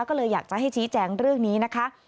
ก็เลยอยากจะให้ชี้แจงเรื่องนี้นะคะ